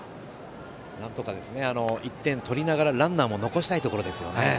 なんとか１点取りながらランナーも残したいところですよね。